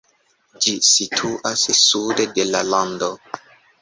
Ĝi situas sude de la lando.